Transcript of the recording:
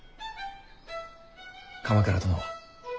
鎌倉殿。